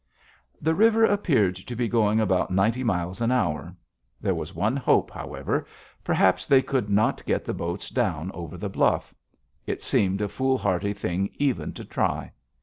The river appeared to be going about ninety miles an hour. There was one hope, however. Perhaps they could not get the boats down over the bluff. It seemed a foolhardy thing even to try.